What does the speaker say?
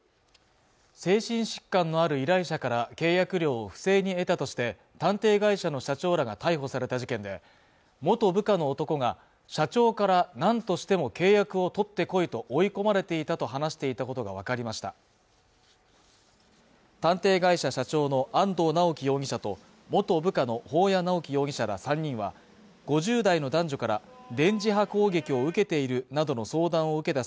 精神疾患のある依頼者から契約料を不正に得たとして探偵会社の社長らが逮捕された事件で元部下の男が社長から何としても契約を取ってこいと追い込まれていたと話していたことが分かりました探偵会社社長の安藤巨樹容疑者と元部下の保谷直紀容疑者ら３人は５０代の男女から電磁波攻撃を受けているなどの相談を受けた